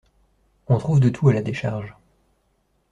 On trouve de tout à la décharge.